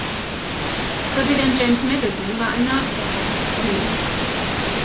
Präsident James Madison war ein Nachfahre dieser Familie.